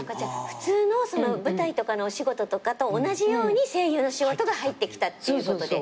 普通の舞台とかのお仕事とかと同じように声優の仕事が入ってきたっていうことで。